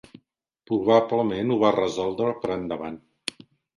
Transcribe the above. Probablement ho va resoldre per endavant.